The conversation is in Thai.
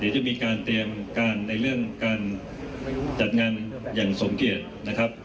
เดี๋ยวจะมีการเตรียมการในเรื่องการจัดงานอย่างสมเกียจนะครับ